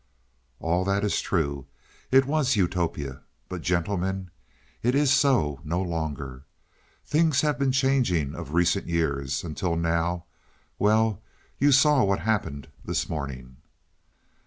"All that is true; it was Utopia. But gentlemen, it is so no longer. Things have been changing of recent years, until now well you saw what happened this morning.